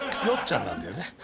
「よっちゃん」なんだよね